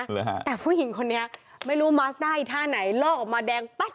ไม่เคยเพราะร้อย